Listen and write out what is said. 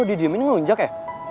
lo tuh kalo didiemin gak ngejunjak ya